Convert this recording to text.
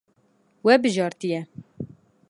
We bijartiye.